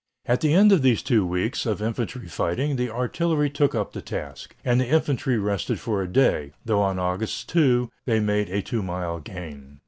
At the end of these two weeks of infantry fighting the artillery took up the task, and the infantry rested for a day, though on August 2 they made a two mile gain.